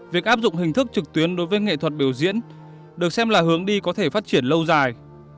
việc áp dụng hình thức trực tuyến đối với nghệ thuật biểu diễn được xem là hướng đi có thể phát triển lâu dài